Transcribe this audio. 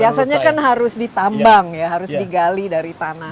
biasanya kan harus ditambang ya harus digali dari tanah